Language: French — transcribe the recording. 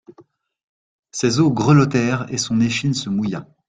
Ses os grelottèrent, et son échine se mouilla.